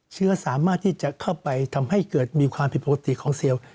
เชื้อสามารถที่จะเข้าไปทำให้เกิดมีความผิดปกติของเซลล์